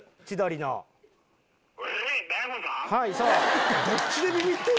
はいそう。